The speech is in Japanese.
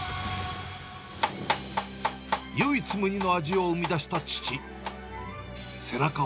唯一無二の味を生み出した父。